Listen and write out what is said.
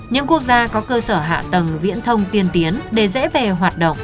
những quốc gia có cơ sở hạ tầng viễn thông tiên tiến để dễ về hoạt động